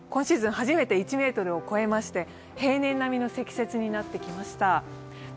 初めて１ｍを超えまして平年並みの積雪になってきました。